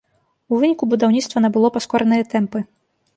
У выніку будаўніцтва набыло паскораныя тэмпы.